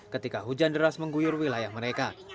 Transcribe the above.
ketika hujan deras mengguyur wilayah mereka